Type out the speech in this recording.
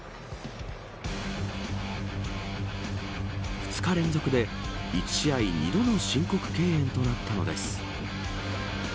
２日連続で１試合２度の申告敬遠となったのです。